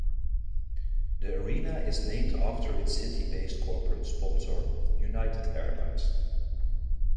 The arena is named after its city-based corporate sponsor, United Airlines.